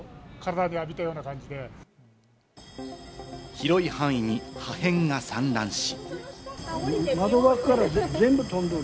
広い範囲に破片が散乱し。